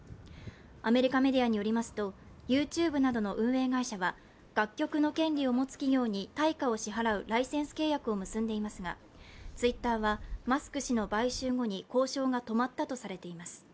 アメリカメディアによりますと、ＹｏｕＴｕｂｅなどの運営会社は、楽曲の権利を持つ企業に対価を支払うライセンス契約を結んでいますが、Ｔｗｉｔｔｅｒはマスク氏の買収後に交渉が止まったとされています。